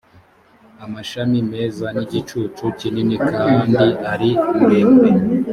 amashami meza n igicucu kinini kandi ari muremure